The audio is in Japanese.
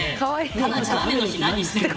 佳菜ちゃんは雨の日何してるの。